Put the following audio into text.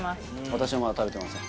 私もまだ食べてません